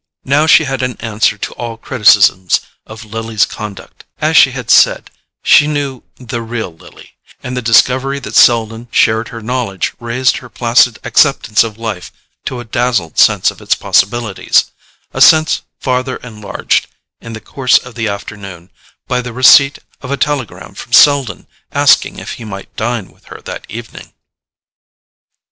Now she had an answer to all criticisms of Lily's conduct: as she had said, she knew "the real Lily," and the discovery that Selden shared her knowledge raised her placid acceptance of life to a dazzled sense of its possibilities—a sense farther enlarged, in the course of the afternoon, by the receipt of a telegram from Selden asking if he might dine with her that evening.